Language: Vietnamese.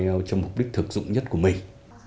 ielts trong mục đích thực dụng nhất của mình